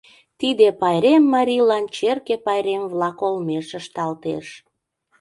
Тиде пайрем марийлан черке пайрем-влак олмеш ышталтеш.